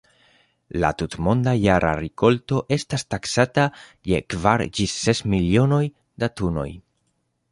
La tutmonda jara rikolto estas taksata je kvar ĝis ses milionoj da tunoj.